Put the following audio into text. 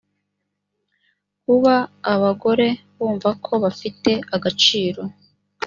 kuba abagore bumva ko bafite agaciro